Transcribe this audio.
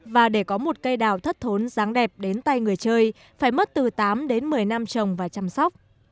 và để có một cây đào thất thốn ráng đẹp đến tay người chơi phải mất từ tám đến một mươi năm trồng và chăm sóc